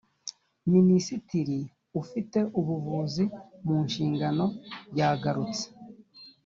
minisitiri ufite ubuvuzi mu nshingano yagarutse.